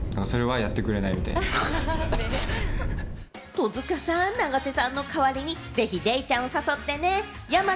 戸塚さん、永瀬さんの代わりにぜひデイちゃんを誘ってね。